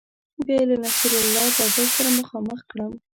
بیا یې له نصیر الله بابر سره مخامخ کړم